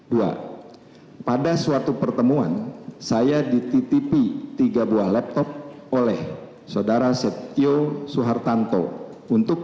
dua pada suatu pertemuan saya dititipi tiga buah laptop oleh saudara setio soehartanto untuk